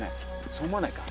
そう思わないか？